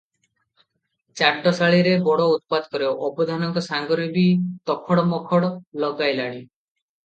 ଚାଟଶାଳୀରେ ବଡ ଉତ୍ପାତ କରେ, ଅବଧାନଙ୍କ ସାଙ୍ଗରେ ବି ତୋଖଡ଼ ମୋଖଡ଼ ଲଗାଇଲାଣି ।